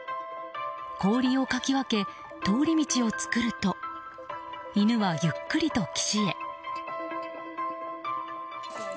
氷をかき分け、通り道を作ると犬はゆっくりと岸へ。